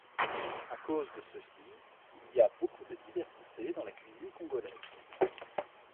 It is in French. À cause de ceci, il y a beaucoup de diversité dans la cuisine congolaise.